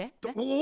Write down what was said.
お。